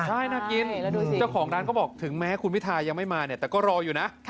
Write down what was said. ใช่น่ากินเจ้าของร้านก็บอกถึงแม้คุณพิทายังไม่มาเนี่ยแต่ก็รออยู่นะ